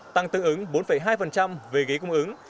tăng tương ứng bốn hai về ghế cung ứng